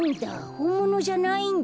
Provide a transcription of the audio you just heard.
ほんものじゃないんだ。